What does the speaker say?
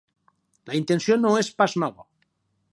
La intenció no és pas nova.